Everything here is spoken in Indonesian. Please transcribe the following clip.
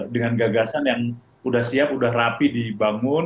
dengan gagasan yang sudah siap sudah rapi dibangun